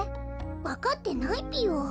わかってないぴよ。